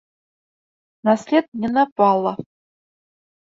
На след не напала.